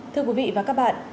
thưa quý vị và các bạn